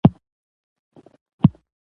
هندوکش د جغرافیایي موقیعت یوه پایله ده.